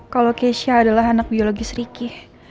kalau keisha adalah anak biologis ricky